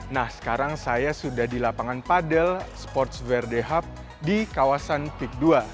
nah sekarang saya sudah di lapangan padel sports verde hub di kawasan peak dua